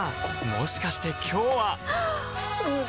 もしかして今日ははっ！